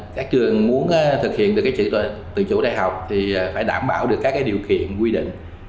các trường muốn thực hiện được tự chủ đại học thì phải đảm bảo được các điều kiện quy định